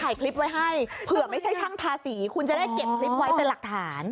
ถ่ายคลิปไว้ให้เผื่อไม่ใช่ช่างทาสีคุณจะได้เก็บคลิปไว้เป็นหลักฐาน